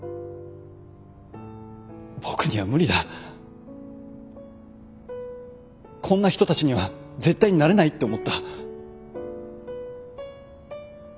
僕には無理だこんな人たちには絶対なれないって思った。